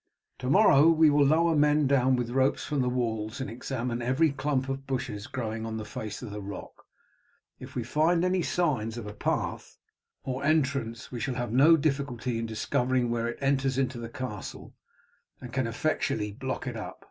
Tomorrow we will lower men down with ropes from the walls, and examine every clump of bushes growing on the face of the rock If we find any signs of a path or entrance we shall have no difficulty in discovering where it enters into the castle, and can effectually block it up.